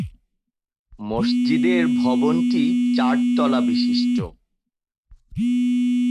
মসজিদের ভবনটি চারতলা বিশিষ্ট।